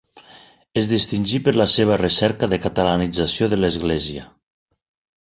Es distingí per la seva recerca de catalanització de l'església.